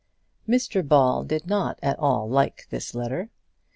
Mr Ball did not at all like this letter.